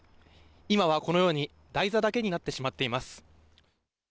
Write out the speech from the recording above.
今はこのように台座だけになってしまっています。